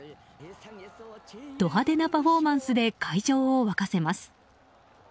ド派手なパフォーマンスで会場を沸かせます。